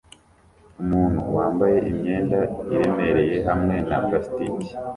Umuntu wambaye imyenda iremereye hamwe na plastike